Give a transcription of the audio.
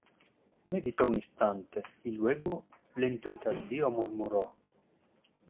meditó un instante, y luego , lento y tardío , murmuró: